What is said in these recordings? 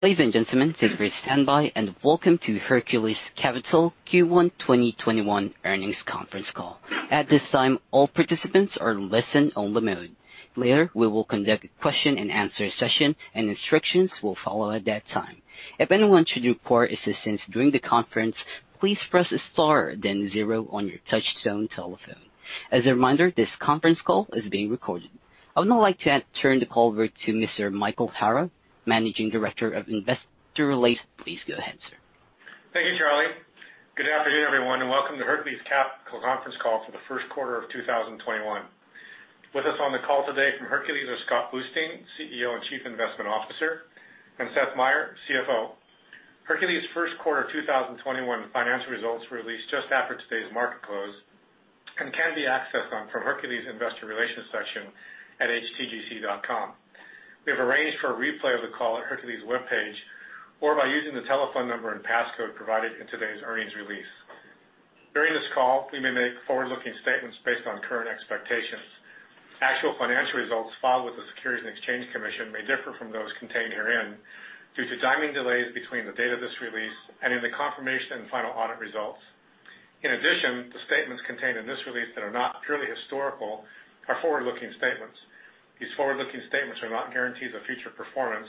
Ladies and gentlemen, thank you for standing by, and welcome to Hercules Capital Q1 2021 earnings conference call. At this time, all participants are in listen-only mode. Later, we will conduct a question-and-answer session and instructions will follow at that time. If anyone should require assistance during the conference, please press star then zero on your touch-tone telephone. As a reminder, this conference call is being recorded. I would now like to turn the call over to Mr. Michael Hara, Managing Director of Investor Relations. Please go ahead, sir. Thank you, Charlie. Good afternoon, everyone, and welcome to Hercules Capital conference call for the first quarter of 2021. With us on the call today from Hercules are Scott Bluestein, CEO and Chief Investment Officer, and Seth Meyer, CFO. Hercules' first quarter 2021 financial results were released just after today's market close and can be accessed from Hercules' investor relations section at htgc.com. We have arranged for a replay of the call at Hercules' webpage or by using the telephone number and passcode provided in today's earnings release. During this call, we may make forward-looking statements based on current expectations. Actual financial results filed with the Securities and Exchange Commission may differ from those contained herein due to timing delays between the date of this release and the confirmation and final audit results. In addition, the statements contained in this release that are not purely historical are forward-looking statements. These forward-looking statements are not guarantees of future performance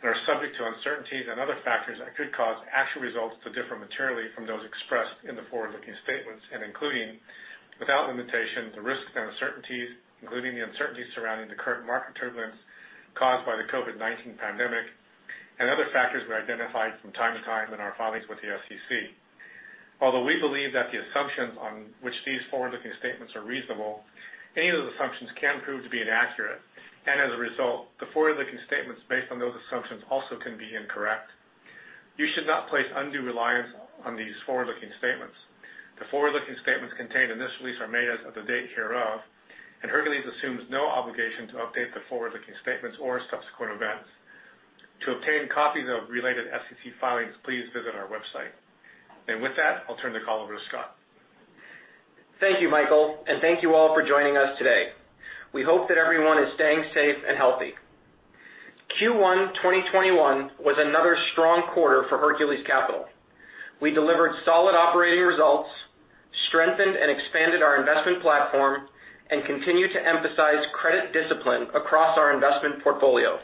and are subject to uncertainties and other factors that could cause actual results to differ materially from those expressed in the forward-looking statements, and including, without limitation, the risks and uncertainties, including the uncertainties surrounding the current market turbulence caused by the COVID-19 pandemic and other factors we identified from time to time in our filings with the SEC. Although we believe that the assumptions on which these forward-looking statements are reasonable, any of the assumptions can prove to be inaccurate. As a result, the forward-looking statements based on those assumptions also can be incorrect. You should not place undue reliance on these forward-looking statements. The forward-looking statements contained in this release are made as of the date hereof. Hercules assumes no obligation to update the forward-looking statements or subsequent events. To obtain copies of related SEC filings, please visit our website. With that, I'll turn the call over to Scott. Thank you, Michael, and thank you all for joining us today. We hope that everyone is staying safe and healthy. Q1 2021 was another strong quarter for Hercules Capital. We delivered solid operating results, strengthened and expanded our investment platform, and continued to emphasize credit discipline across our investment portfolio.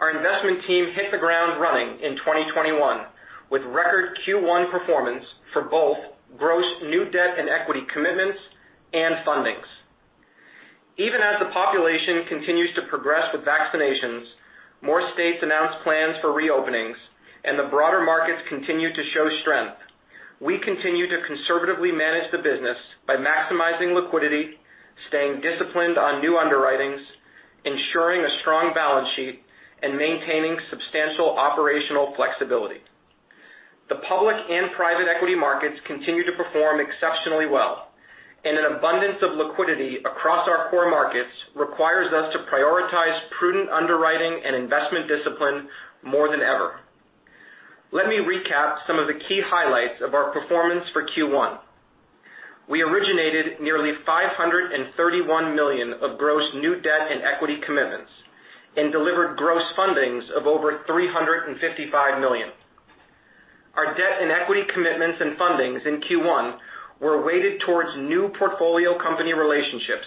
Our investment team hit the ground running in 2021 with record Q1 performance for both gross new debt and equity commitments and fundings. Even as the population continues to progress with vaccinations, more states announce plans for reopenings, and the broader markets continue to show strength, we continue to conservatively manage the business by maximizing liquidity, staying disciplined on new underwritings, ensuring a strong balance sheet, and maintaining substantial operational flexibility. The public and private equity markets continue to perform exceptionally well, and an abundance of liquidity across our core markets requires us to prioritize prudent underwriting and investment discipline more than ever. Let me recap some of the key highlights of our performance for Q1. We originated nearly $531 million of gross new debt and equity commitments and delivered gross fundings of over $355 million. Our debt and equity commitments and fundings in Q1 were weighted towards new portfolio company relationships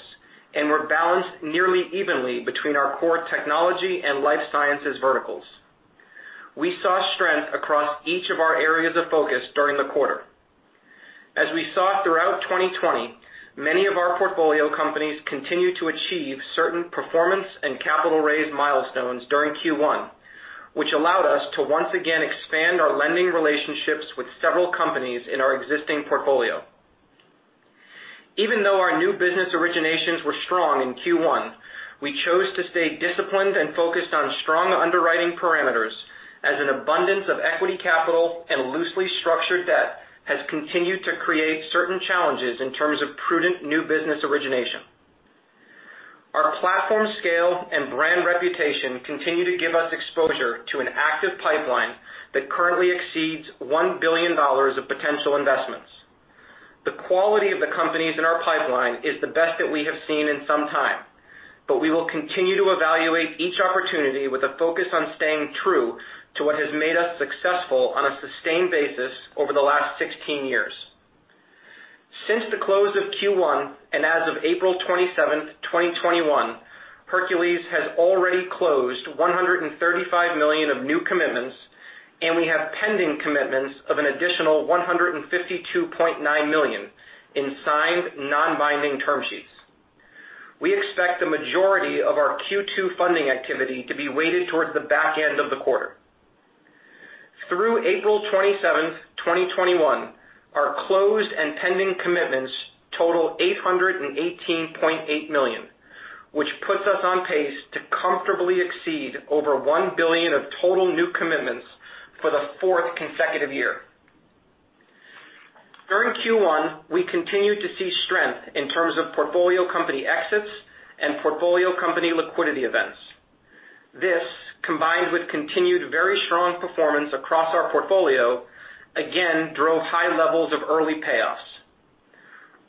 and were balanced nearly evenly between our core technology and life sciences verticals. We saw strength across each of our areas of focus during the quarter. As we saw throughout 2020, many of our portfolio companies continued to achieve certain performance and capital raise milestones during Q1, which allowed us to once again expand our lending relationships with several companies in our existing portfolio. Even though our new business originations were strong in Q1, we chose to stay disciplined and focused on strong underwriting parameters as an abundance of equity capital and loosely structured debt has continued to create certain challenges in terms of prudent new business origination. Our platform scale and brand reputation continue to give us exposure to an active pipeline that currently exceeds $1 billion of potential investments. The quality of the companies in our pipeline is the best that we have seen in some time, but we will continue to evaluate each opportunity with a focus on staying true to what has made us successful on a sustained basis over the last 16 years. Since the close of Q1, and as of April 27, 2021, Hercules has already closed $135 million of new commitments, and we have pending commitments of an additional $152.9 million in signed non-binding term sheets. We expect the majority of our Q2 funding activity to be weighted towards the back end of the quarter. Through April 27, 2021, our closed and pending commitments total $818.8 million, which puts us on pace to comfortably exceed over $1 billion of total new commitments for the fourth consecutive year. During Q1, we continued to see strength in terms of portfolio company exits and portfolio company liquidity events. This, combined with continued very strong performance across our portfolio, again drove high levels of early payoffs.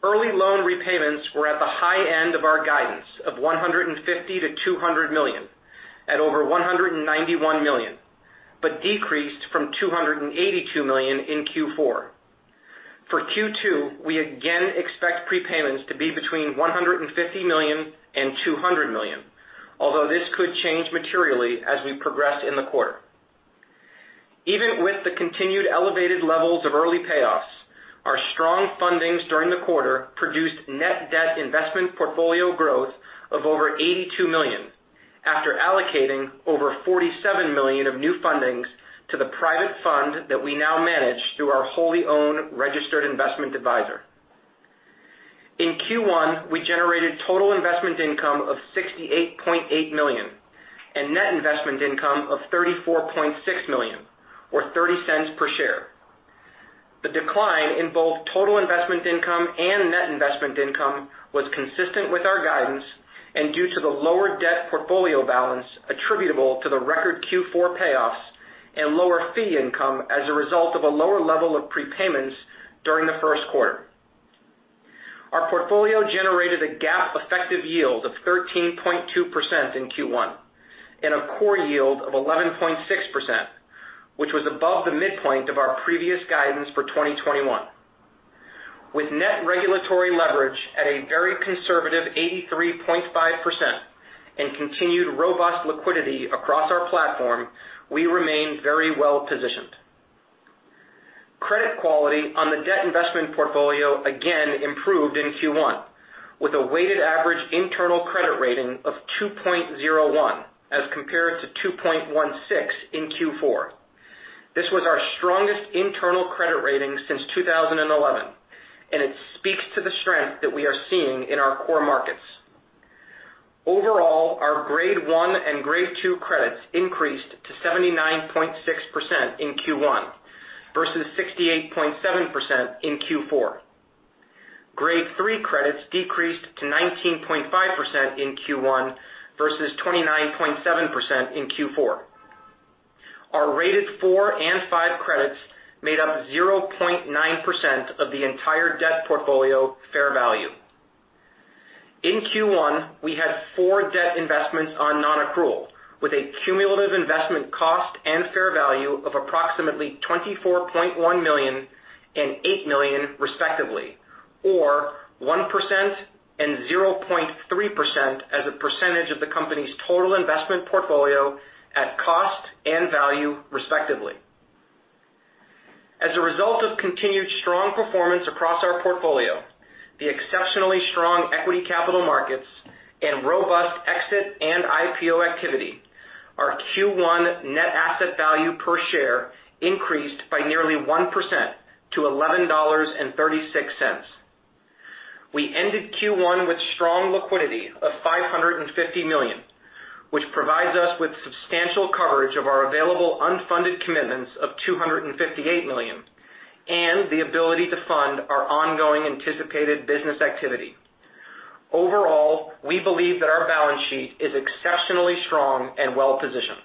Early loan repayments were at the high end of our guidance of $150 million-$200 million at over $191 million, but decreased from $282 million in Q4. For Q2, we again expect prepayments to be between $150 million and $200 million, although this could change materially as we progress in the quarter. Even with the continued elevated levels of early payoffs, our strong fundings during the quarter produced net debt investment portfolio growth of over $82 million after allocating over $47 million of new fundings to the private fund that we now manage through our wholly owned registered investment adviser. In Q1, we generated total investment income of $68.8 million and net investment income of $34.6 million or $0.30 per share. The decline in both total investment income and net investment income was consistent with our guidance and due to the lower debt portfolio balance attributable to the record Q4 payoffs and lower fee income as a result of a lower level of prepayments during the first quarter. Our portfolio generated a GAAP effective yield of 13.2% in Q1 and a core yield of 11.6%, which was above the midpoint of our previous guidance for 2021. With net regulatory leverage at a very conservative 83.5% and continued robust liquidity across our platform, we remain very well-positioned. Credit quality on the debt investment portfolio again improved in Q1 with a weighted average internal credit rating of 2.01 as compared to 2.16 in Q4. This was our strongest internal credit rating since 2011, and it speaks to the strength that we are seeing in our core markets. Overall, our Grade 1 and Grade 2 credits increased to 79.6% in Q1 versus 68.7% in Q4. Grade 3 credits decreased to 19.5% in Q1 versus 29.7% in Q4. Our rated 4 and 5 credits made up 0.9% of the entire debt portfolio fair value. In Q1, we had four debt investments on non-accrual with a cumulative investment cost and fair value of approximately $24.1 million and $8 million respectively, or 1% and 0.3% as a percentage of the company's total investment portfolio at cost and value, respectively. As a result of continued strong performance across our portfolio, the exceptionally strong equity capital markets, and robust exit and IPO activity, our Q1 net asset value per share increased by nearly 1% to $11.36. We ended Q1 with strong liquidity of $550 million, which provides us with substantial coverage of our available unfunded commitments of $258 million and the ability to fund our ongoing anticipated business activity. Overall, we believe that our balance sheet is exceptionally strong and well-positioned.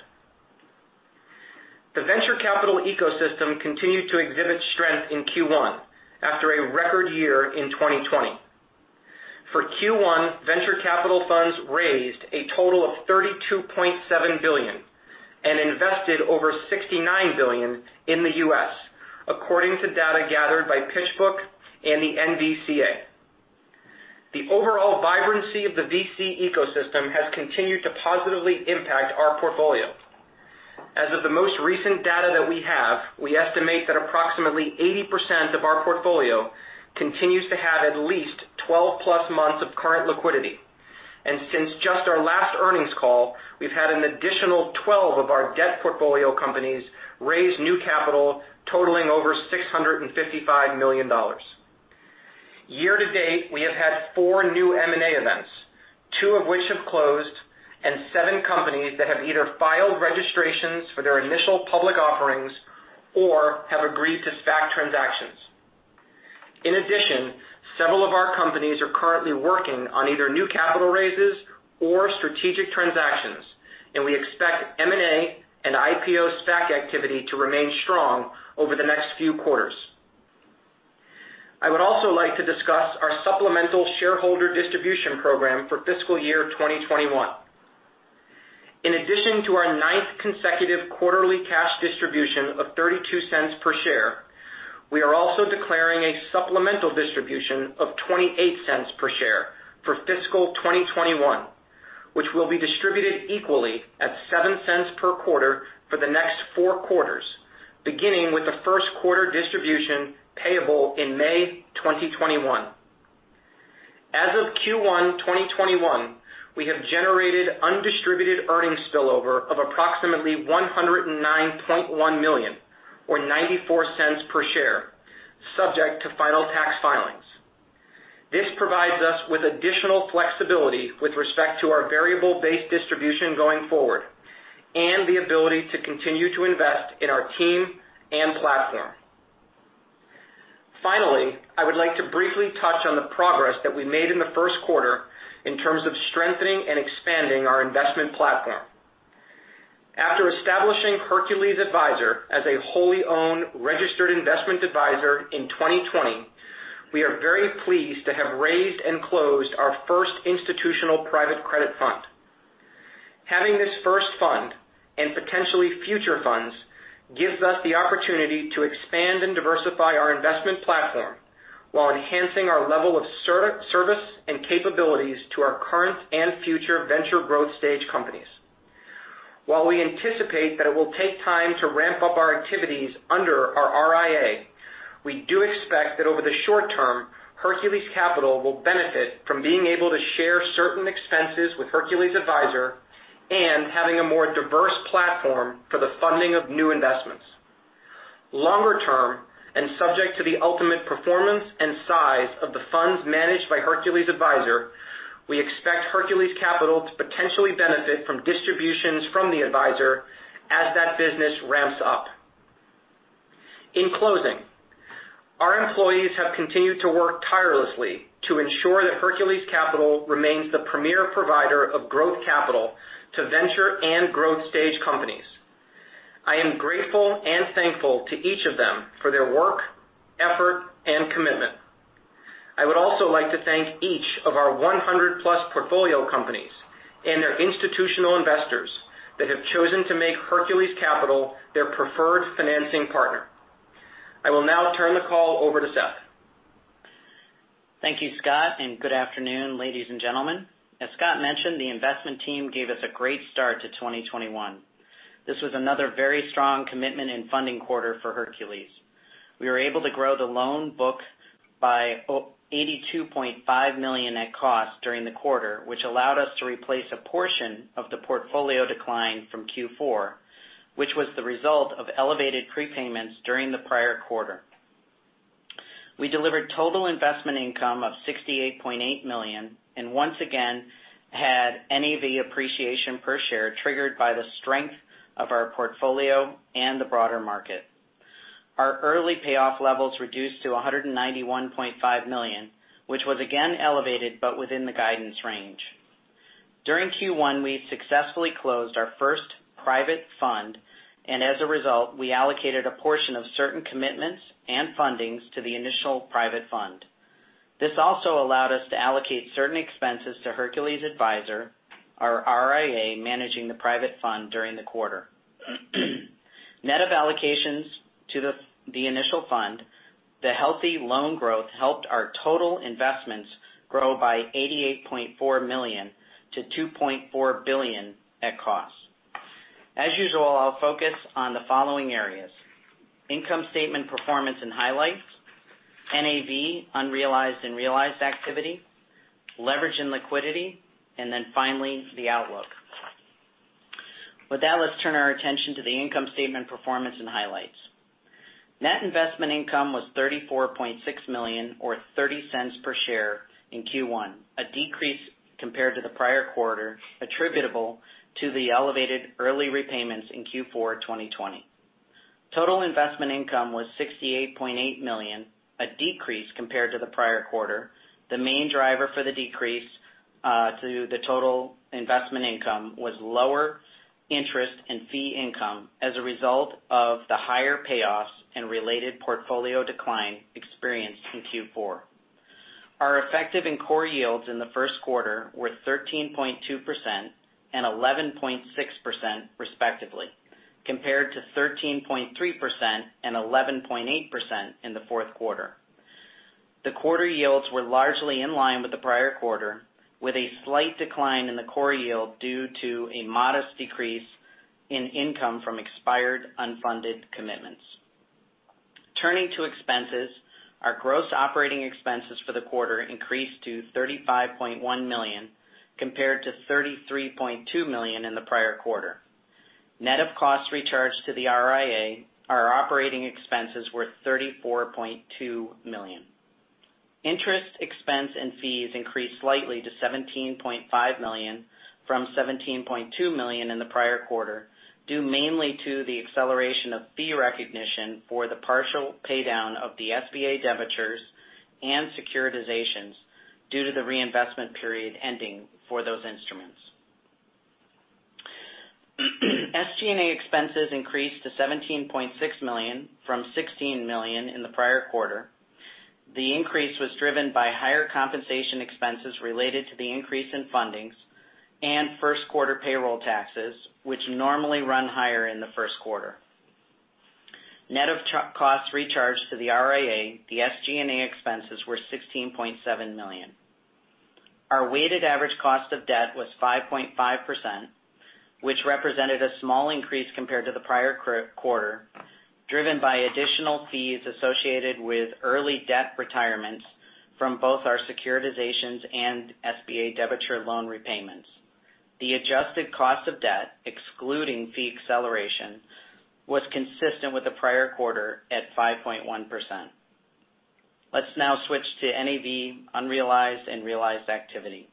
The venture capital ecosystem continued to exhibit strength in Q1 after a record year in 2020. For Q1, venture capital funds raised a total of $32.7 billion and invested over $69 billion in the U.S., according to data gathered by PitchBook and the NVCA. The overall vibrancy of the VC ecosystem has continued to positively impact our portfolio. As of the most recent data that we have, we estimate that approximately 80% of our portfolio continues to have at least 12+ months of current liquidity. Since just our last earnings call, we've had an additional 12 of our debt portfolio companies raise new capital totaling over $655 million. Year to date, we have had four new M&A events, two of which have closed, and seven companies that have either filed registrations for their initial public offerings or have agreed to SPAC transactions. In addition, several of our companies are currently working on either new capital raises or strategic transactions, and we expect M&A and IPO SPAC activity to remain strong over the next few quarters. I would also like to discuss our supplemental shareholder distribution program for fiscal year 2021. In addition to our ninth consecutive quarterly cash distribution of $0.32 per share, we are also declaring a supplemental distribution of $0.28 per share for fiscal 2021, which will be distributed equally at $0.07 per quarter for the next four quarters, beginning with the first quarter distribution payable in May 2021. As of Q1 2021, we have generated undistributed earnings spillover of approximately $109.1 million or $0.94 per share, subject to final tax filings. This provides us with additional flexibility with respect to our variable-based distribution going forward and the ability to continue to invest in our team and platform. Finally, I would like to briefly touch on the progress that we made in the first quarter in terms of strengthening and expanding our investment platform. After establishing Hercules Adviser as a wholly-owned registered investment adviser in 2020, we are very pleased to have raised and closed our first institutional private credit fund. Having this first fund, and potentially future funds, gives us the opportunity to expand and diversify our investment platform while enhancing our level of service and capabilities to our current and future venture growth stage companies. While we anticipate that it will take time to ramp up our activities under our RIA, we do expect that over the short-term, Hercules Capital will benefit from being able to share certain expenses with Hercules Adviser and having a more diverse platform for the funding of new investments. Longer term, and subject to the ultimate performance and size of the funds managed by Hercules Adviser, we expect Hercules Capital to potentially benefit from distributions from the adviser as that business ramps up. In closing, our employees have continued to work tirelessly to ensure that Hercules Capital remains the premier provider of growth capital to venture and growth stage companies. I am grateful and thankful to each of them for their work, effort, and commitment. I would also like to thank each of our 100+ portfolio companies and their institutional investors that have chosen to make Hercules Capital their preferred financing partner. I will now turn the call over to Seth. Thank you, Scott, and good afternoon, ladies and gentlemen. As Scott mentioned, the investment team gave us a great start to 2021. This was another very strong commitment in funding quarter for Hercules. We were able to grow the loan book by $82.5 million at cost during the quarter, which allowed us to replace a portion of the portfolio decline from Q4, which was the result of elevated prepayments during the prior quarter. We delivered total investment income of $68.8 million, and once again, had NAV appreciation per share triggered by the strength of our portfolio and the broader market. Our early payoff levels reduced to $191.5 million, which was again elevated but within the guidance range. During Q1, we successfully closed our first private fund, and as a result, we allocated a portion of certain commitments and fundings to the initial private fund. This also allowed us to allocate certain expenses to Hercules Adviser, our RIA, managing the private fund during the quarter. Net of allocations to the initial fund, the healthy loan growth helped our total investments grow by $88.4 million to $2.4 billion at cost. As usual, I'll focus on the following areas: income statement performance and highlights, NAV unrealized and realized activity, leverage and liquidity, and then finally, the outlook. With that, let's turn our attention to the income statement performance and highlights. Net investment income was $34.6 million, or $0.30 per share in Q1, a decrease compared to the prior quarter, attributable to the elevated early repayments in Q4 2020. Total investment income was $68.8 million, a decrease compared to the prior quarter. The main driver for the decrease to the total investment income was lower interest and fee income as a result of the higher payoffs and related portfolio decline experienced in Q4. Our effective and core yields in the first quarter were 13.2% and 11.6%, respectively, compared to 13.3% and 11.8% in the fourth quarter. The quarter yields were largely in line with the prior quarter, with a slight decline in the core yield due to a modest decrease in income from expired unfunded commitments. Turning to expenses, our gross operating expenses for the quarter increased to $35.1 million, compared to $33.2 million in the prior quarter. Net of costs recharged to the RIA, our operating expenses were $34.2 million. Interest, expense, and fees increased slightly to $17.5 million from $17.2 million in the prior quarter, due mainly to the acceleration of fee recognition for the partial paydown of the SBA debentures and securitizations due to the reinvestment period ending for those instruments. SG&A expenses increased to $17.6 million from $16 million in the prior quarter. The increase was driven by higher compensation expenses related to the increase in fundings and first quarter payroll taxes, which normally run higher in the first quarter. Net of costs recharged to the RIA, the SG&A expenses were $16.7 million. Our weighted average cost of debt was 5.5%, which represented a small increase compared to the prior quarter, driven by additional fees associated with early debt retirements from both our securitizations and SBA debenture loan repayments. The adjusted cost of debt, excluding fee acceleration, was consistent with the prior quarter at 5.1%. Let's now switch to NAV unrealized and realized activity.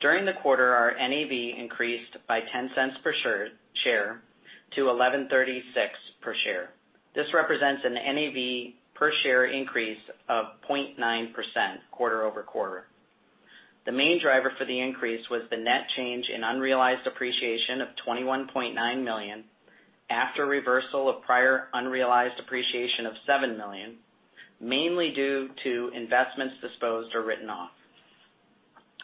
During the quarter, our NAV increased by $0.10 per share to $11.36 per share. This represents an NAV per share increase of 0.9% quarter-over-quarter. The main driver for the increase was the net change in unrealized appreciation of $21.9 million, after reversal of prior unrealized appreciation of $7 million, mainly due to investments disposed or written off.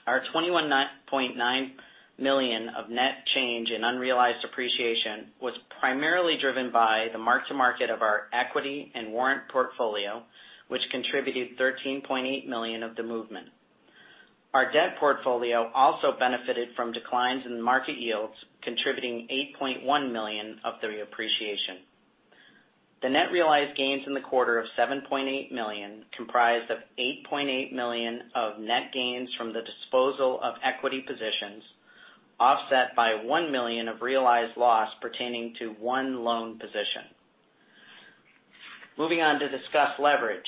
Our $21.9 million of net change in unrealized appreciation was primarily driven by the mark-to-market of our equity and warrant portfolio, which contributed $13.8 million of the movement. Our debt portfolio also benefited from declines in market yields, contributing $8.1 million of the appreciation. The net realized gains in the quarter of $7.8 million comprised of $8.8 million of net gains from the disposal of equity positions, offset by $1 million of realized loss pertaining to one loan position. Moving on to discuss leverage.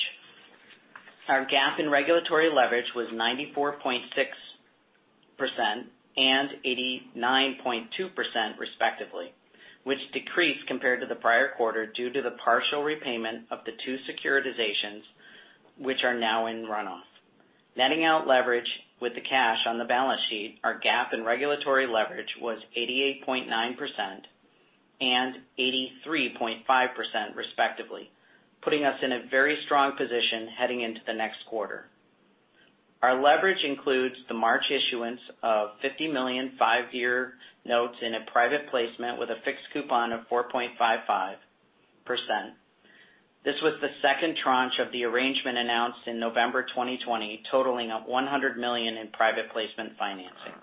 Our GAAP and regulatory leverage was 94.6% and 89.2% respectively, which decreased compared to the prior quarter due to the partial repayment of the two securitizations, which are now in runoff. Netting out leverage with the cash on the balance sheet, our GAAP and regulatory leverage was 88.9% and 83.5% respectively, putting us in a very strong position heading into the next quarter. Our leverage includes the March issuance of $50 million five-year notes in a private placement with a fixed coupon of 4.55%. This was the second tranche of the arrangement announced in November 2020, totaling up $100 million in private placement financing.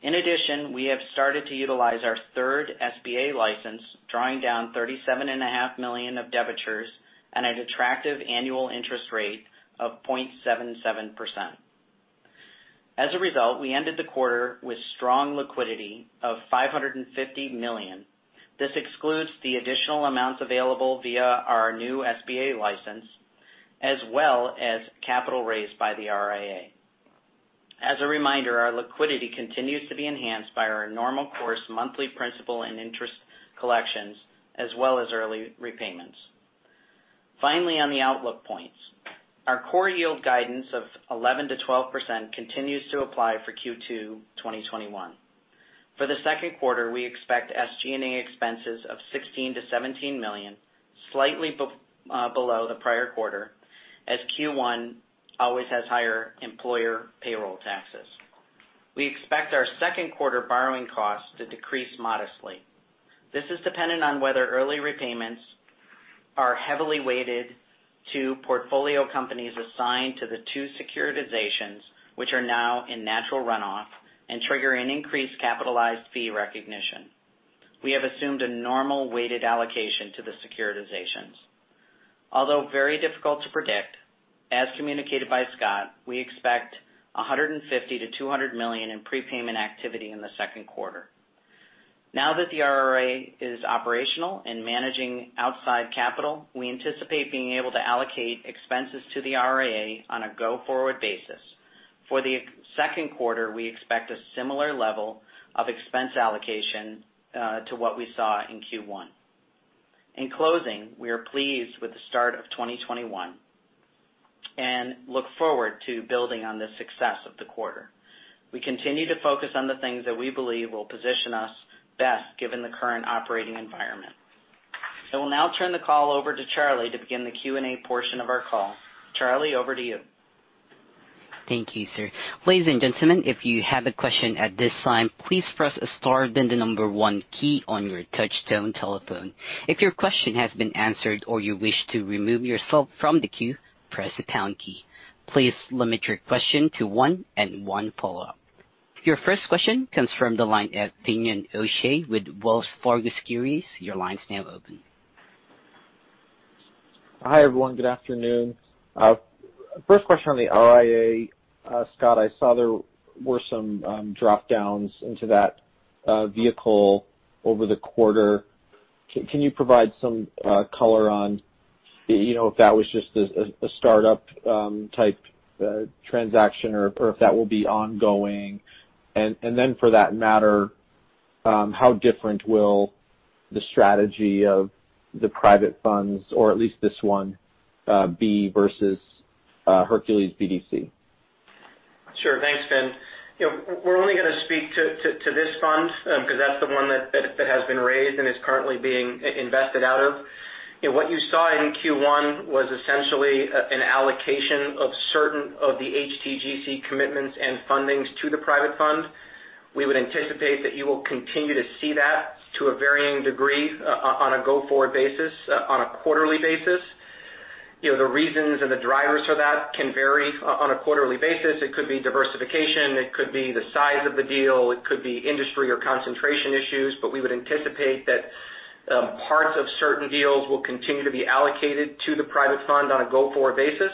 In addition, we have started to utilize our third SBA license, drawing down $37.5 million of debentures at an attractive annual interest rate of 0.77%. As a result, we ended the quarter with strong liquidity of $550 million. This excludes the additional amounts available via our new SBA license, as well as capital raised by the RIA. As a reminder, our liquidity continues to be enhanced by our normal course monthly principal and interest collections, as well as early repayments. Finally, on the outlook points. Our core yield guidance of 11%-12% continues to apply for Q2 2021. For the second quarter, we expect SG&A expenses of $16 million-$17 million, slightly below the prior quarter, as Q1 always has higher employer payroll taxes. We expect our second quarter borrowing costs to decrease modestly. This is dependent on whether early repayments are heavily weighted to portfolio companies assigned to the two securitizations, which are now in natural runoff and trigger an increased capitalized fee recognition. We have assumed a normal weighted allocation to the securitizations. Although very difficult to predict, as communicated by Scott, we expect $150 million-$200 million in prepayment activity in the second quarter. Now that the RIA is operational and managing outside capital, we anticipate being able to allocate expenses to the RIA on a go-forward basis. For the second quarter, we expect a similar level of expense allocation to what we saw in Q1. In closing, we are pleased with the start of 2021 and look forward to building on the success of the quarter. We continue to focus on the things that we believe will position us best given the current operating environment. I will now turn the call over to Charlie to begin the Q&A portion of our call. Charlie, over to you. Thank you, sir. Ladies and gentlemen, if you have a question at this time, please press star then the number one key on your touch-tone telephone. If your question has been answered or you wish to remove yourself from the queue, press the pound key. Please limit your question to one and one follow-up. Your first question comes from the line at Finian O'Shea with Wells Fargo Securities. Your line's now open. Hi, everyone. Good afternoon. First question on the RIA. Scott, I saw there were some drop-downs into that vehicle over the quarter. Can you provide some color on if that was just a start-up type transaction or if that will be ongoing? Then for that matter, how different will the strategy of the private funds or at least this one be versus Hercules BDC? Sure. Thanks, Fin. We're only going to speak to this fund because that's the one that has been raised and is currently being invested out of. What you saw in Q1 was essentially an allocation of certain of the HTGC commitments and fundings to the private fund. We would anticipate that you will continue to see that to a varying degree on a go-forward basis, on a quarterly basis. The reasons and the drivers for that can vary on a quarterly basis. It could be diversification. It could be the size of the deal. It could be industry or concentration issues. We would anticipate that parts of certain deals will continue to be allocated to the private fund on a go-forward basis.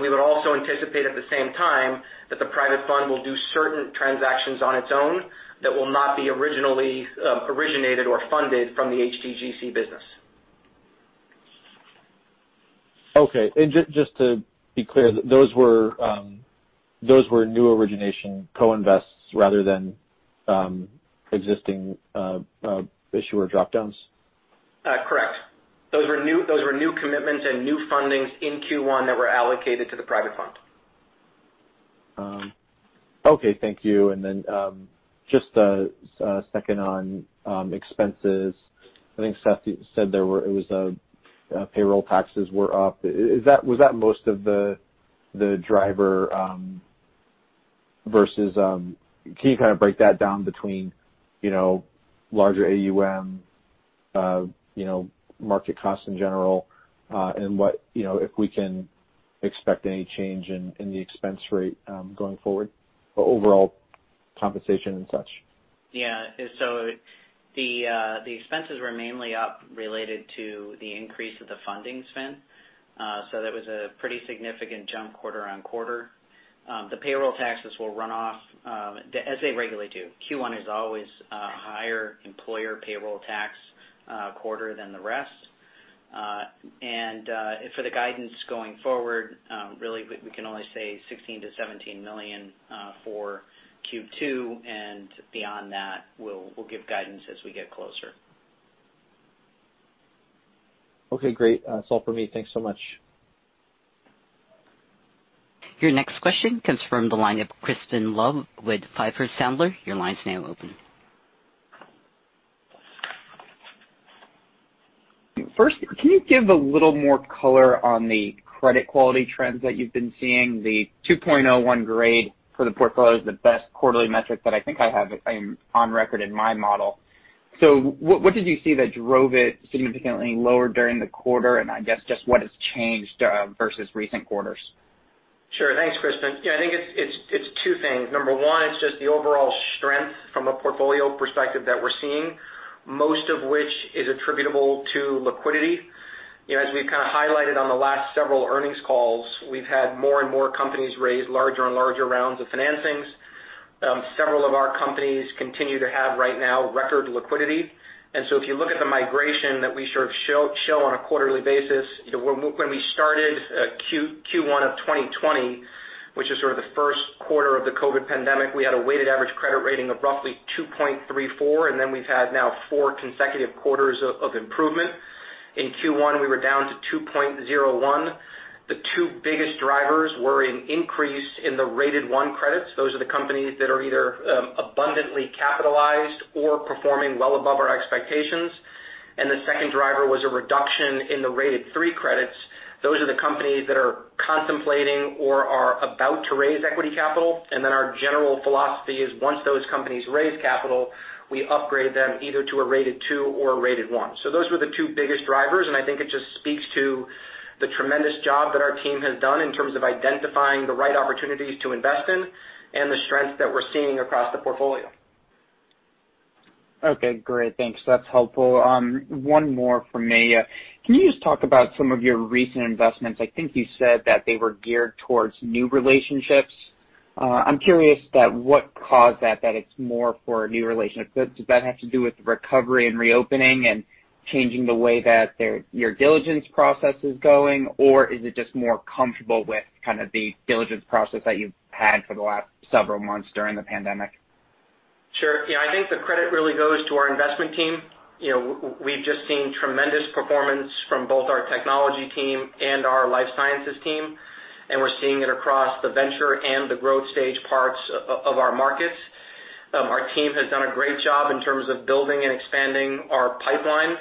We would also anticipate at the same time that the private fund will do certain transactions on its own that will not be originated or funded from the HTGC business. Okay. Just to be clear, those were new origination co-invests rather than existing issuer drop-downs? Correct. Those were new commitments and new fundings in Q1 that were allocated to the private fund. Okay. Thank you. Just a second on expenses. I think Seth said payroll taxes were up. Was that most of the driver? Can you kind of break that down between larger AUM, market costs in general, and if we can expect any change in the expense rate going forward for overall compensation and such? The expenses were mainly up related to the increase of the funding spend. That was a pretty significant jump quarter-on-quarter. The payroll taxes will run off as they regularly do. Q1 is always a higher employer payroll tax quarter than the rest. For the guidance going forward, really we can only say $16 million-$17 million for Q2. Beyond that, we'll give guidance as we get closer. Okay, great. That's all for me. Thanks so much. Your next question comes from the line of Crispin Love with Piper Sandler. Your line's now open. First, can you give a little more color on the credit quality trends that you've been seeing? The 2.01 grade for the portfolio is the best quarterly metric that I think I have on record in my model. What did you see that drove it significantly lower during the quarter? I guess just what has changed versus recent quarters? Sure. Thanks, Crispin. Yeah, I think it's two things. Number one, it's just the overall strength from a portfolio perspective that we're seeing, most of which is attributable to liquidity. As we've kind of highlighted on the last several earnings calls, we've had more and more companies raise larger and larger rounds of financings. Several of our companies continue to have, right now, record liquidity. If you look at the migration that we sort of show on a quarterly basis, when we started Q1 of 2020, which is sort of the first quarter of the COVID pandemic, we had a weighted average credit rating of roughly 2.34, and then we've had now four consecutive quarters of improvement. In Q1, we were down to 2.01. The two biggest drivers were an increase in the rated 1 credits. Those are the companies that are either abundantly capitalized or performing well above our expectations. The second driver was a reduction in the rated 3 credits. Those are the companies that are contemplating or are about to raise equity capital. Our general philosophy is once those companies raise capital, we upgrade them either to a rated 2 or a rated 1. Those were the two biggest drivers, and I think it just speaks to the tremendous job that our team has done in terms of identifying the right opportunities to invest in and the strength that we're seeing across the portfolio. Okay, great. Thanks. That's helpful. One more from me. Can you just talk about some of your recent investments? I think you said that they were geared towards new relationships. I'm curious what caused that, that it's more for a new relationship. Does that have to do with recovery and reopening and changing the way that your diligence process is going? Or is it just more comfortable with kind of the diligence process that you've had for the last several months during the pandemic? Sure. Yeah. I think the credit really goes to our investment team. We've just seen tremendous performance from both our technology team and our life sciences team, and we're seeing it across the venture and the growth stage parts of our markets. Our team has done a great job in terms of building and expanding our pipeline.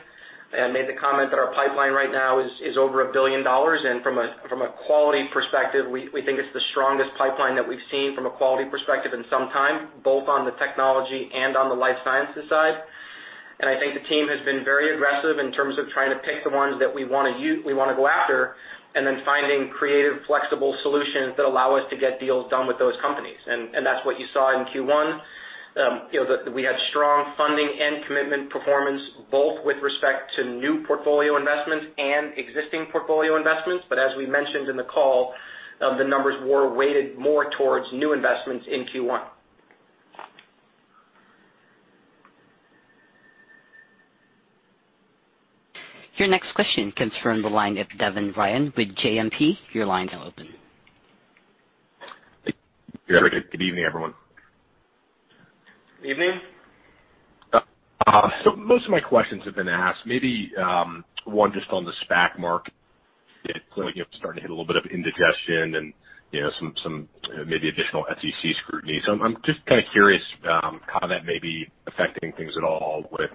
I made the comment that our pipeline right now is over $1 billion. From a quality perspective, we think it's the strongest pipeline that we've seen from a quality perspective in some time, both on the technology and on the life sciences side. I think the team has been very aggressive in terms of trying to pick the ones that we want to go after, and then finding creative, flexible solutions that allow us to get deals done with those companies. That's what you saw in Q1. We had strong funding and commitment performance, both with respect to new portfolio investments and existing portfolio investments. As we mentioned in the call, the numbers were weighted more towards new investments in Q1. Your next question comes from the line of Devin Ryan with JMP. Your line is now open. Good evening, everyone. Evening. Most of my questions have been asked. Maybe one just on the SPAC market. It's starting to hit a little bit of indigestion and some maybe additional SEC scrutiny. I'm just kind of curious how that may be affecting things at all with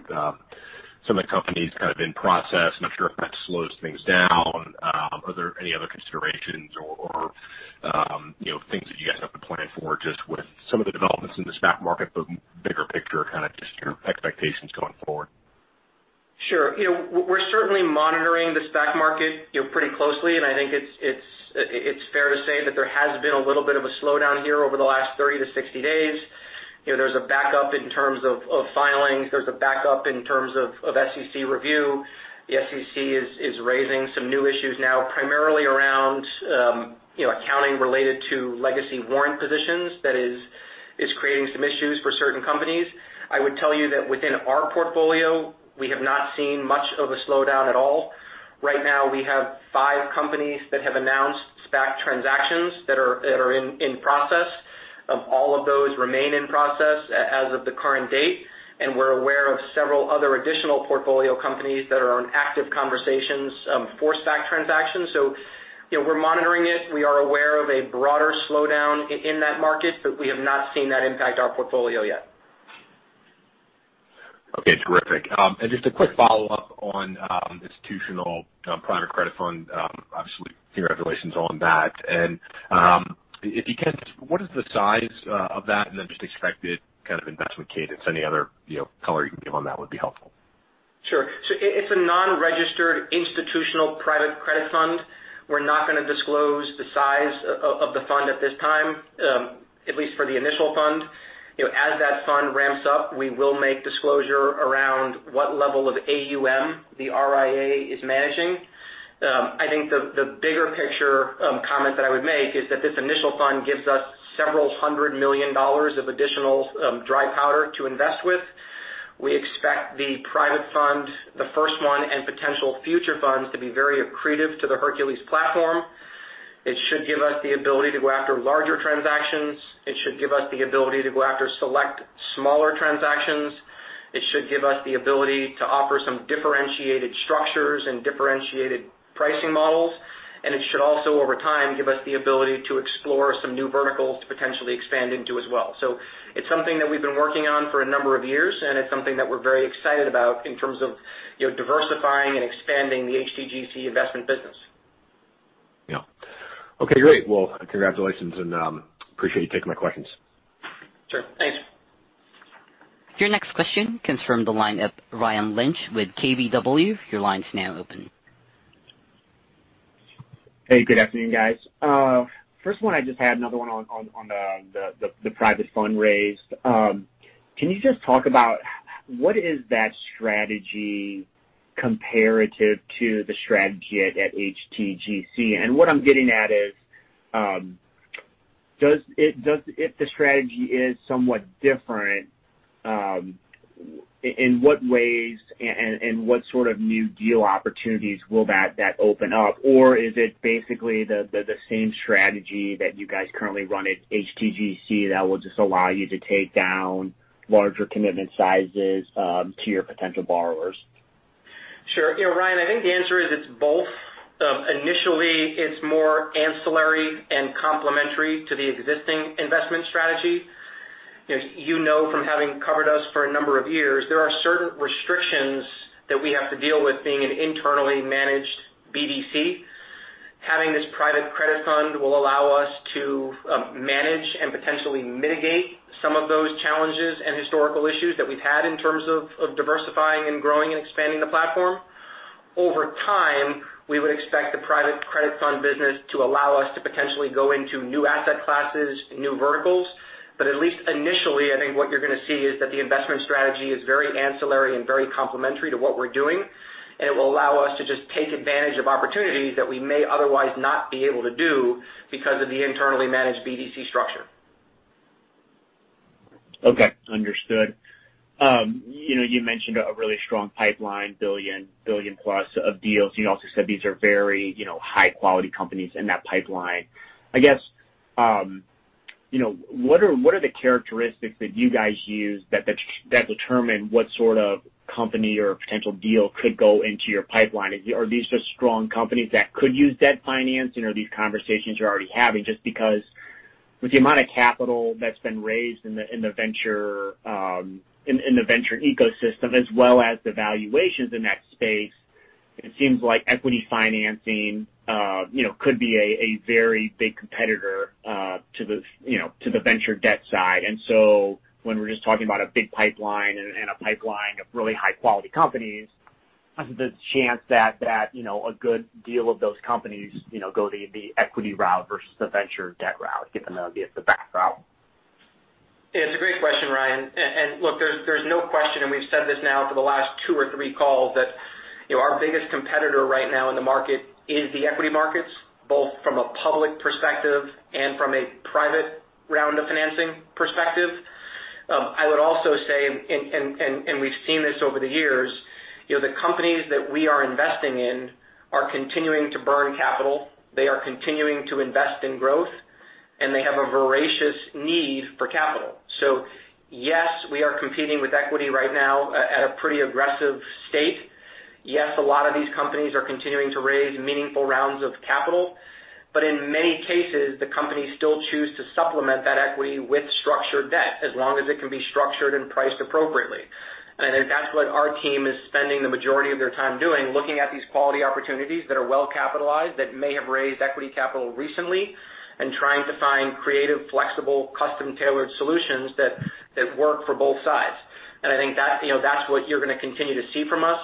some of the companies kind of in process. I'm not sure if that slows things down. Are there any other considerations or things that you guys have to plan for just with some of the developments in the SPAC market, but bigger picture, kind of just your expectations going forward? Sure. We're certainly monitoring the SPAC market pretty closely. I think it's fair to say that there has been a little bit of a slowdown here over the last 30-60 days. There's a backup in terms of filings. There's a backup in terms of SEC review. The SEC is raising some new issues now, primarily around accounting related to legacy warrant positions. That is creating some issues for certain companies. I would tell you that within our portfolio, we have not seen much of a slowdown at all. Right now we have five companies that have announced SPAC transactions that are in process. All of those remain in process as of the current date, and we're aware of several other additional portfolio companies that are on active conversations for SPAC transactions. We're monitoring it. We are aware of a broader slowdown in that market, but we have not seen that impact our portfolio yet. Okay, terrific. Just a quick follow-up on institutional private credit fund. Obviously, congratulations on that. If you can, what is the size of that? Just expected kind of investment cadence. Any other color you can give on that would be helpful. Sure. It's a non-registered institutional private credit fund. We're not going to disclose the size of the fund at this time, at least for the initial fund. As that fund ramps up, we will make disclosure around what level of AUM the RIA is managing. I think the bigger picture comment that I would make is that this initial fund gives us several hundred million dollars of additional dry powder to invest with. We expect the private fund, the first one, and potential future funds, to be very accretive to the Hercules platform. It should give us the ability to go after larger transactions. It should give us the ability to go after select smaller transactions. It should give us the ability to offer some differentiated structures and differentiated pricing models. It should also, over time, give us the ability to explore some new verticals to potentially expand into as well. It's something that we've been working on for a number of years, and it's something that we're very excited about in terms of diversifying and expanding the HTGC investment business. Yeah. Okay, great. Well, congratulations, and appreciate you taking my questions. Sure. Thanks. Your next question comes from the line of Ryan Lynch with KBW. Your line's now open. Hey, good afternoon, guys. First one, I just had another one on the private fund raised. Can you just talk about what is that strategy comparative to the strategy at HTGC? What I'm getting at is, if the strategy is somewhat different, in what ways and what sort of new deal opportunities will that open up? Or is it basically the same strategy that you guys currently run at HTGC that will just allow you to take down larger commitment sizes to your potential borrowers? Sure. Ryan, I think the answer is it's both. Initially, it's more ancillary and complementary to the existing investment strategy. You know from having covered us for a number of years, there are certain restrictions that we have to deal with being an internally managed BDC. Having this private credit fund will allow us to manage and potentially mitigate some of those challenges and historical issues that we've had in terms of diversifying and growing and expanding the platform. Over time, we would expect the private credit fund business to allow us to potentially go into new asset classes, new verticals. At least initially, I think what you're going to see is that the investment strategy is very ancillary and very complementary to what we're doing. It will allow us to just take advantage of opportunities that we may otherwise not be able to do because of the internally managed BDC structure. Okay, understood. You mentioned a really strong pipeline, $1 billion+ of deals. You also said these are very high-quality companies in that pipeline. I guess, what are the characteristics that you guys use that determine what sort of company or potential deal could go into your pipeline? Are these just strong companies that could use debt financing, or are these conversations you're already having? Just because with the amount of capital that's been raised in the venture ecosystem as well as the valuations in that space, it seems like equity financing could be a very big competitor to the venture debt side. When we're just talking about a big pipeline and a pipeline of really high-quality companies, what's the chance that a good deal of those companies go the equity route versus the venture debt route? Give them the back route. It's a great question, Ryan. Look, there's no question, we've said this now for the last two or three calls, that our biggest competitor right now in the market is the equity markets, both from a public perspective and from a private round of financing perspective. I would also say, and we've seen this over the years, the companies that we are investing in are continuing to burn capital. They are continuing to invest in growth, and they have a voracious need for capital. Yes, we are competing with equity right now at a pretty aggressive state. Yes, a lot of these companies are continuing to raise meaningful rounds of capital. In many cases, the companies still choose to supplement that equity with structured debt as long as it can be structured and priced appropriately. That's what our team is spending the majority of their time doing, looking at these quality opportunities that are well-capitalized, that may have raised equity capital recently, and trying to find creative, flexible, custom-tailored solutions that work for both sides. I think that's what you're going to continue to see from us.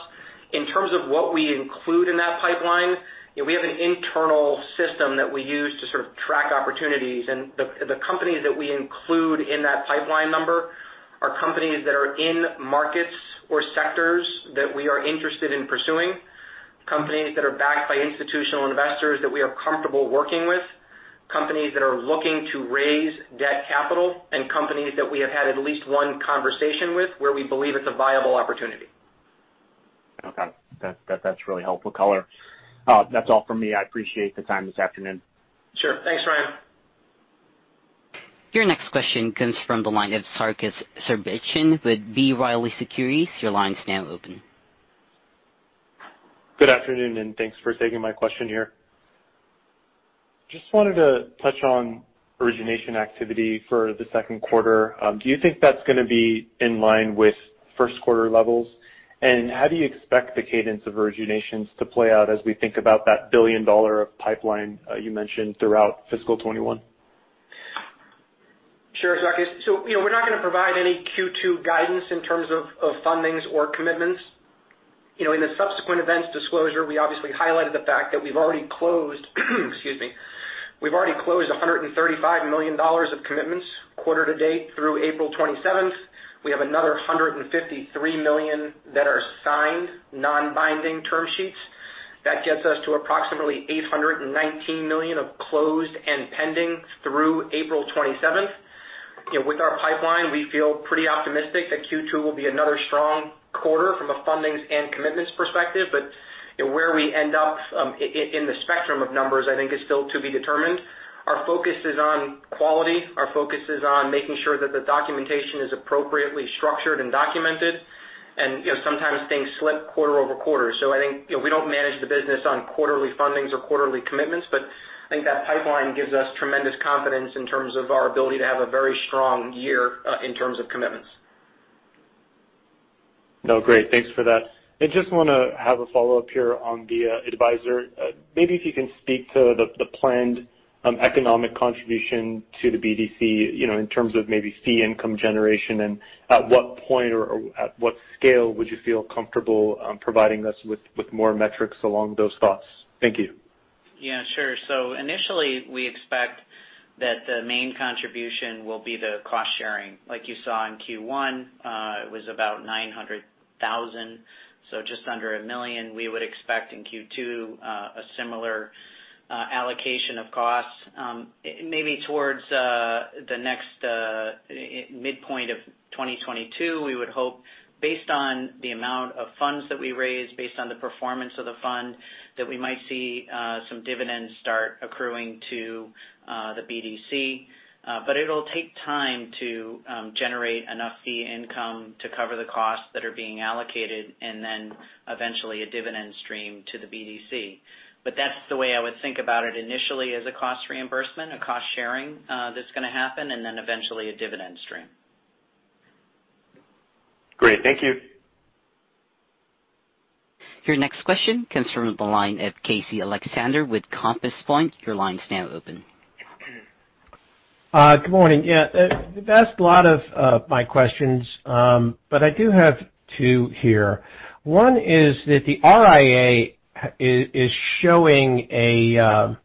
In terms of what we include in that pipeline, we have an internal system that we use to sort of track opportunities. The companies that we include in that pipeline number are companies that are in markets or sectors that we are interested in pursuing, companies that are backed by institutional investors that we are comfortable working with. Companies that are looking to raise debt capital and companies that we have had at least one conversation with where we believe it's a viable opportunity. Okay. That's really helpful color. That's all from me. I appreciate the time this afternoon. Sure. Thanks, Ryan. Your next question comes from the line of Sarkis Sherbetchyan with B. Riley Securities. Your line's now open. Good afternoon. Thanks for taking my question here. Just wanted to touch on origination activity for the second quarter. Do you think that's going to be in line with first quarter levels? How do you expect the cadence of originations to play out as we think about that billion-dollar pipeline you mentioned throughout fiscal 2021? Sure, Sarkis. We're not going to provide any Q2 guidance in terms of fundings or commitments. In the subsequent events disclosure, we obviously highlighted the fact that we've already closed, excuse me, we've already closed $135 million of commitments quarter to date through April 27th. We have another $153 million that are signed, non-binding term sheets. That gets us to approximately $819 million of closed and pending through April 27th. With our pipeline, we feel pretty optimistic that Q2 will be another strong quarter from a fundings and commitments perspective. Where we end up in the spectrum of numbers, I think is still to be determined. Our focus is on quality. Our focus is on making sure that the documentation is appropriately structured and documented, and sometimes things slip quarter-over-quarter. I think we don't manage the business on quarterly fundings or quarterly commitments, but I think that pipeline gives us tremendous confidence in terms of our ability to have a very strong year in terms of commitments. Great. Thanks for that. I just want to have a follow-up here on the adviser. Maybe if you can speak to the planned economic contribution to the BDC in terms of maybe fee income generation and at what point or at what scale would you feel comfortable providing us with more metrics along those thoughts? Thank you. Yeah, sure. Initially, we expect that the main contribution will be the cost-sharing. Like you saw in Q1, it was about $900,000, just under $1 million. We would expect in Q2 a similar allocation of costs. Maybe towards the next midpoint of 2022, we would hope, based on the amount of funds that we raise, based on the performance of the fund, that we might see some dividends start accruing to the BDC. It'll take time to generate enough fee income to cover the costs that are being allocated and then eventually a dividend stream to the BDC. That's the way I would think about it initially as a cost reimbursement, a cost-sharing that's going to happen, and then eventually a dividend stream. Great. Thank you. Your next question comes from the line of Casey Alexander with Compass Point. Your line's now open. Good morning. Yeah. They've asked a lot of my questions, but I do have two here. One is that the RIA is showing a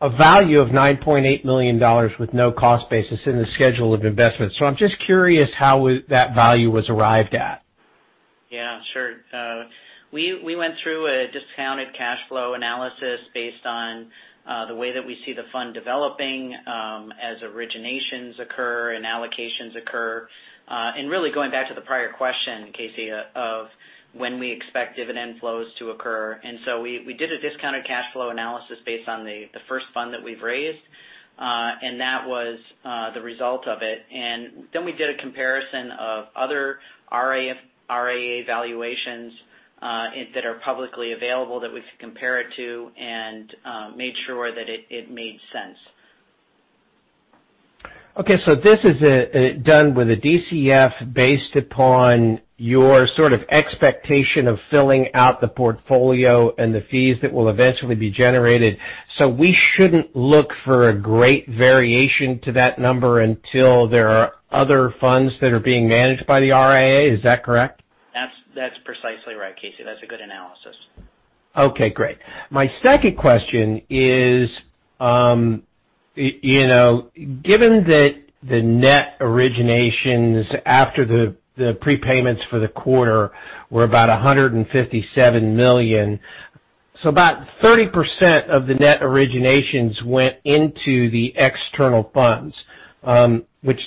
value of $9.8 million with no cost basis in the schedule of investments. I'm just curious how that value was arrived at. Yeah, sure. We went through a discounted cash flow analysis based on the way that we see the fund developing as originations occur and allocations occur. Really going back to the prior question, Casey, of when we expect dividend flows to occur. We did a discounted cash flow analysis based on the first fund that we've raised. That was the result of it. Then we did a comparison of other RIA valuations that are publicly available that we could compare it to and made sure that it made sense. Okay. This is done with a DCF based upon your sort of expectation of filling out the portfolio and the fees that will eventually be generated. We shouldn't look for a great variation to that number until there are other funds that are being managed by the RIA. Is that correct? That's precisely right, Casey. That's a good analysis. Okay, great. My second question is given that the net originations after the prepayments for the quarter were about $157 million. About 30% of the net originations went into the external funds, which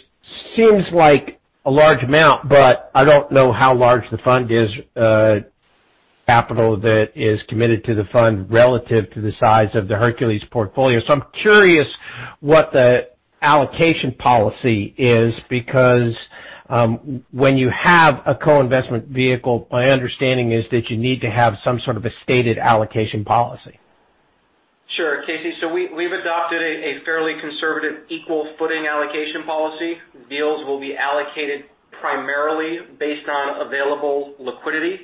seems like a large amount, but I don't know how large the fund is, capital that is committed to the fund relative to the size of the Hercules portfolio. I'm curious what the allocation policy is because when you have a co-investment vehicle, my understanding is that you need to have some sort of a stated allocation policy. Sure, Casey. We've adopted a fairly conservative equal footing allocation policy. Deals will be allocated primarily based on available liquidity.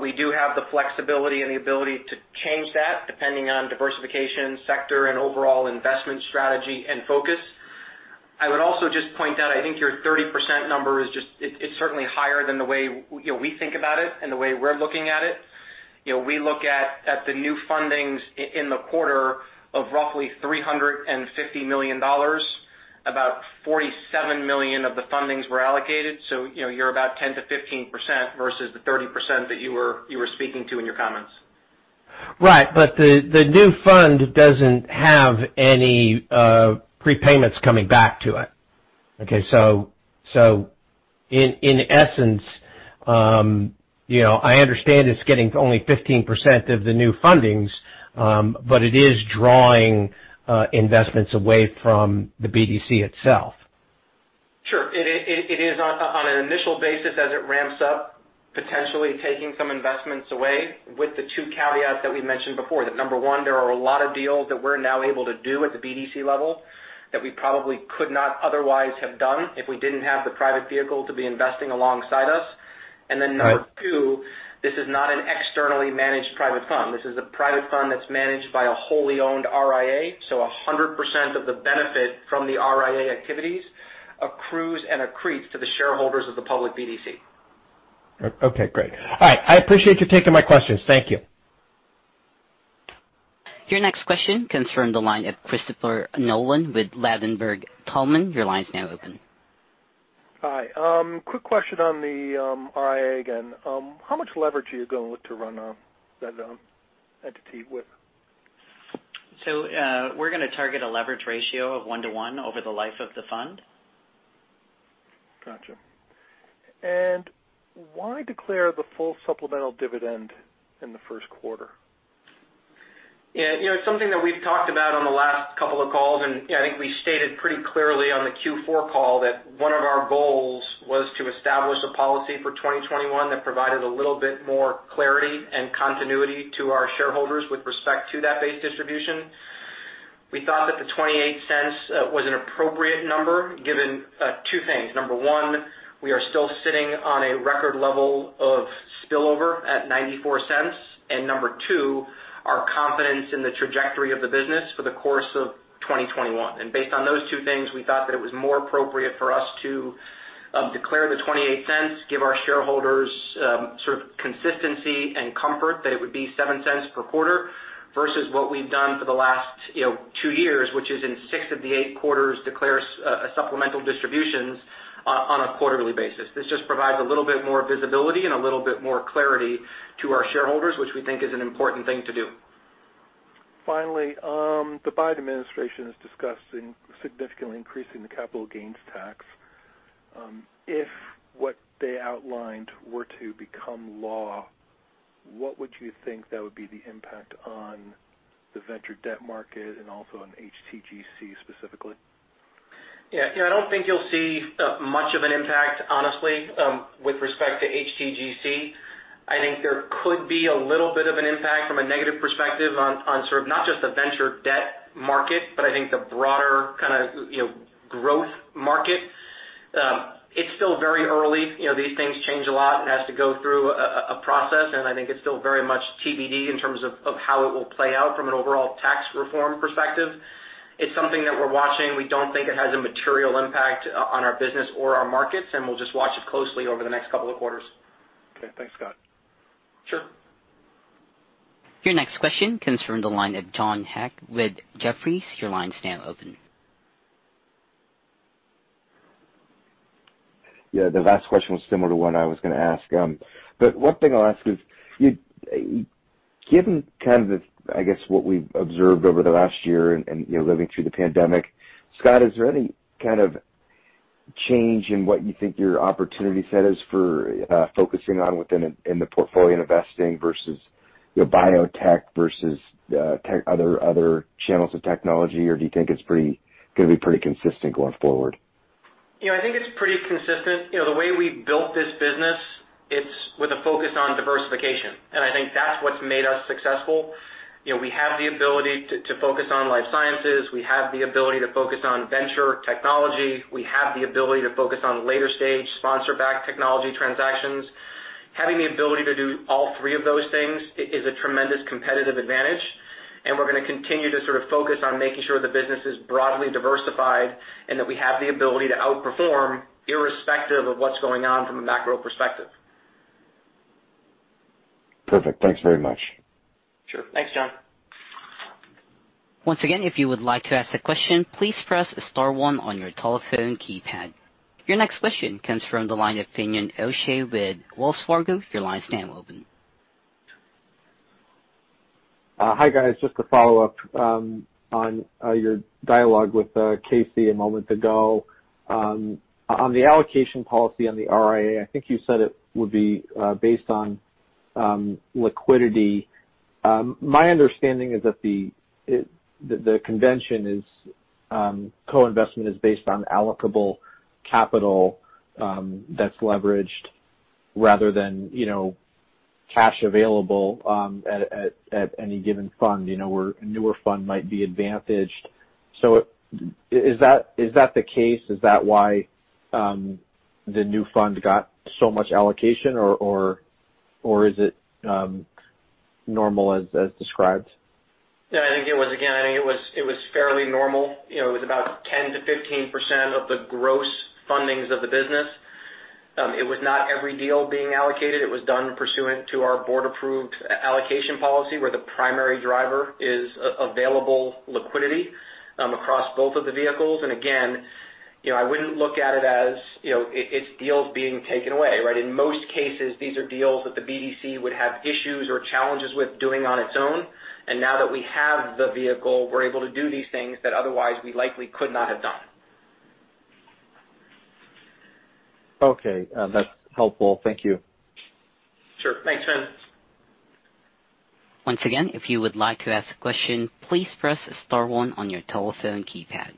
We do have the flexibility and the ability to change that depending on diversification, sector, and overall investment strategy and focus. I would also just point out, I think your 30% number is certainly higher than the way we think about it and the way we're looking at it. We look at the new fundings in the quarter of roughly $350 million. About $47 million of the fundings were allocated. You're about 10%-15% versus the 30% that you were speaking to in your comments. Right. The new fund doesn't have any prepayments coming back to it. In essence, I understand it's getting only 15% of the new fundings, but it is drawing investments away from the BDC itself. Sure. It is on an initial basis as it ramps up, potentially taking some investments away with the two caveats that we mentioned before. That number one, there are a lot of deals that we're now able to do at the BDC level that we probably could not otherwise have done if we didn't have the private vehicle to be investing alongside us. Number two, this is not an externally managed private fund. This is a private fund that's managed by a wholly owned RIA. 100% of the benefit from the RIA activities accrues and accretes to the shareholders of the public BDC. Okay, great. All right. I appreciate you taking my questions. Thank you. Your next question comes from the line of Christopher Nolan with Ladenburg Thalmann. Your line is now open. Hi. Quick question on the RIA again. How much leverage are you going with to run that entity with? We're going to target a leverage ratio of 1:1 over the life of the fund. Got you. Why declare the full supplemental dividend in the first quarter? Yeah. It's something that we've talked about on the last couple of calls. I think we stated pretty clearly on the Q4 call that one of our goals was to establish a policy for 2021 that provided a little bit more clarity and continuity to our shareholders with respect to that base distribution. We thought that the $0.28 was an appropriate number, given two things. Number one, we are still sitting on a record level of spillover at $0.94. Number two, our confidence in the trajectory of the business for the course of 2021. Based on those two things, we thought that it was more appropriate for us to declare the $0.28, give our shareholders sort of consistency and comfort that it would be $0.07 per quarter, versus what we've done for the last two years, which is in six of the eight quarters, declare supplemental distributions on a quarterly basis. This just provides a little bit more visibility and a little bit more clarity to our shareholders, which we think is an important thing to do. Finally, the Biden administration is discussing significantly increasing the capital gains tax. If what they outlined were to become law, what would you think that would be the impact on the venture debt market and also on HTGC specifically? Yeah. I don't think you'll see much of an impact, honestly, with respect to HTGC. I think there could be a little bit of an impact from a negative perspective on sort of not just the venture debt market, but I think the broader kind of growth market. It's still very early. These things change a lot. It has to go through a process, and I think it's still very much TBD in terms of how it will play out from an overall tax reform perspective. It's something that we're watching. We don't think it has a material impact on our business or our markets, and we'll just watch it closely over the next couple of quarters. Okay. Thanks, Scott. Sure. Your next question comes from the line of John Hecht with Jefferies. Your line is now open. Yeah. The last question was similar to one I was going to ask. One thing I'll ask is, given I guess what we've observed over the last year and living through the pandemic, Scott, is there any change in what you think your opportunity set is for focusing on within the portfolio and investing versus biotech versus other channels of technology? Do you think it's going to be pretty consistent going forward? Yeah. I think it's pretty consistent. The way we built this business, it's with a focus on diversification. I think that's what's made us successful. We have the ability to focus on life sciences. We have the ability to focus on venture technology. We have the ability to focus on later-stage sponsor-backed technology transactions. Having the ability to do all three of those things is a tremendous competitive advantage, and we're going to continue to sort of focus on making sure the business is broadly diversified and that we have the ability to outperform irrespective of what's going on from a macro perspective. Perfect. Thanks very much. Sure. Thanks, John. Once again, if you would like to ask a question, please press star one on your telephone keypad. Your next question comes from the line of Finian O'Shea with Wells Fargo. Your line is now open. Hi, guys. Just to follow up on your dialogue with Casey a moment ago. On the allocation policy on the RIA, I think you said it would be based on liquidity. My understanding is that the convention is co-investment is based on allocable capital that's leveraged rather than cash available at any given fund, where a newer fund might be advantaged. Is that the case? Is that why the new fund got so much allocation, or is it normal as described? Yeah, I think it was, again, I think it was fairly normal. It was about 10%-15% of the gross fundings of the business. It was not every deal being allocated. It was done pursuant to our board-approved allocation policy, where the primary driver is available liquidity across both of the vehicles. Again, I wouldn't look at it as it's deals being taken away, right? In most cases, these are deals that the BDC would have issues or challenges with doing on its own. Now that we have the vehicle, we're able to do these things that otherwise we likely could not have done. Okay. That's helpful. Thank you. Sure. Thanks, Fin. Once again, if you would like to ask a question, please press star one on your telephone keypad.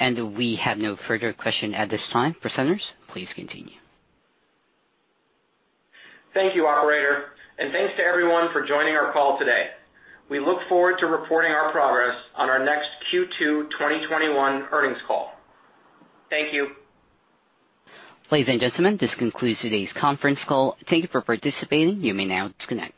We have no further question at this time. Presenters, please continue. Thank you, operator, and thanks to everyone for joining our call today. We look forward to reporting our progress on our next Q2 2021 earnings call. Thank you. Ladies and gentlemen, this concludes today's conference call. Thank you for participating. You may now disconnect.